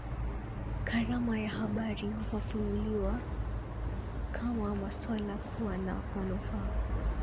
Karama ya habari hufafanuliwa kama maswala kuwa na manufaa